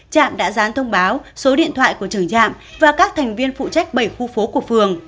trạm đã dán thông báo số điện thoại của trưởng trạm và các thành viên phụ trách bảy khu phố của phường